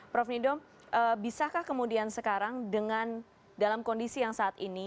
prof nidom bisakah kemudian sekarang dengan dalam kondisi yang saat ini